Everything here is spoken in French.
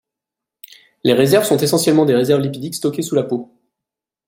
Les réserves sont essentiellement des réserves lipidiques stockées sous la peau.